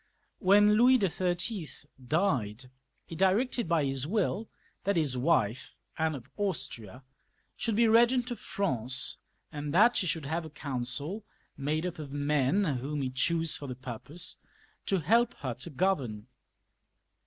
When Louis XTTL died, he settled by his will that his wife, Anne of Austria, should be B^ent of France, and that she should have a council, made up of men whom he chose for the purpose, to help her to govern.